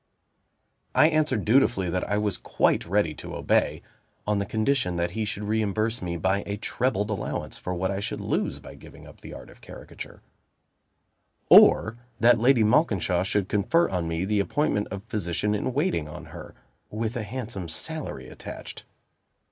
I answered dutifully that I was quite ready to obey, on the condition that he should reimburse me by a trebled allowance for what I should lose by giving up the Art of Caricature, or that Lady Malkinshaw should confer on me the appointment of physician in waiting on her, with a handsome salary attached.